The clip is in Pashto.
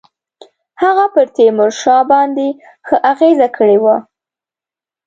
هغه پر تیمورشاه باندي ښه اغېزه کړې وه.